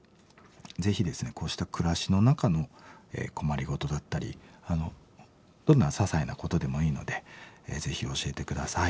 ぜひですねこうした暮らしの中の困り事だったりどんなささいなことでもいいのでぜひ教えて下さい。